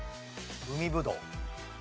海ぶどう。